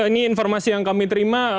ini informasi yang kami terima